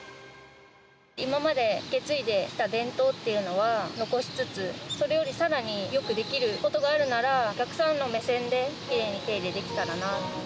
今まで受け継いできた伝統っていうのは、残しつつ、それよりさらによくできることがあるなら、お客さんの目線できれいに手入れできたらな。